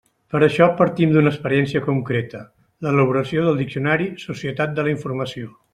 Per a això partim d'una experiència concreta: l'elaboració del diccionari Societat de la informació.